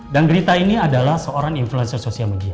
dan gerita ini adalah seorang influencer sosial media